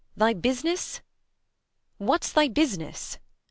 Thy business ? What's thy business